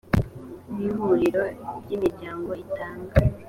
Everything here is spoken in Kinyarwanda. b ihuriro ry imiryango itanga